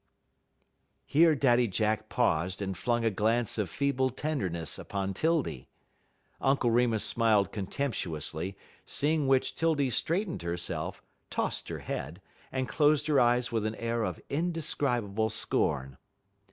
Here Daddy Jack paused and flung a glance of feeble tenderness upon 'Tildy. Uncle Remus smiled contemptuously, seeing which 'Tildy straightened herself, tossed her head, and closed her eyes with an air of indescribable scorn.